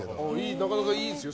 なかなかいいですね。